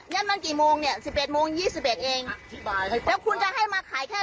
วันกี่โมงเนี่ยสิบเอ็ดโมงยี่สิบเอ็ดเองแล้วคุณจะให้มาขายแค่